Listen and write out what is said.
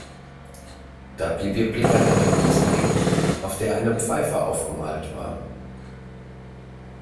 Da blieb ihr Blick an einer Dose hängen, auf der eine Pfeife aufgemalt war.